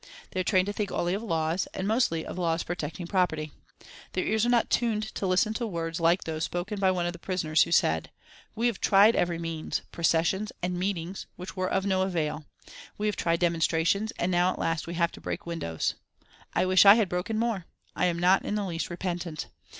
They are trained to think only of laws and mostly of laws protecting property. Their ears are not tuned to listen to words like those spoken by one of the prisoners, who said: "We have tried every means processions and meetings which were of no avail. We have tried demonstrations, and now at last we have to break windows. I wish I had broken more. I am not in the least repentant.